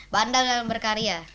bandang yang berkarya